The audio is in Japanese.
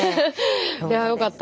いやよかった。